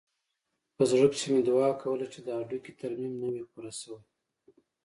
په زړه کښې مې دعا کوله چې د هډوکي ترميم نه وي پوره سوى.